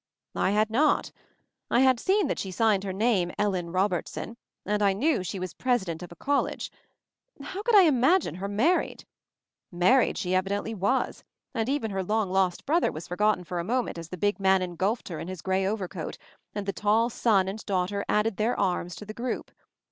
I had not. I had seen that she signed her name "Ellen Robertson," and I knew she was president of a college — how could I 64 MOVING THE MOUNTAIN imagine her married. Married she evident ly was, and even her long lost brother was forgotten for a moment as the big man en gulfed her in his gray overcoat, and the tall son and daughter added their arms to the group.